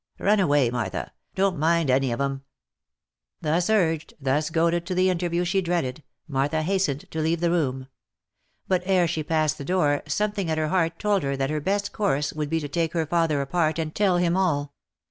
Run away Martha. Don't mind any of 'em." Thus urged, thus goaded to the interview she dreaded, Martha hastened to leave the room ; but ere she passed the door, something at her heart told her that her best course would be to take her father apart, and tell him all.